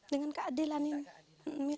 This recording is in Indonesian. dengan keadilan ini